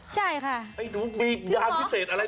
จริงปะนี่ใช่ค่ะมีด้านพิเศษอะไรนะฟัง